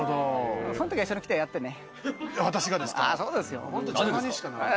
その時は一緒に来てやってね。